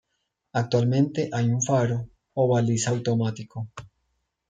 Actualmente hay un faro o baliza automático.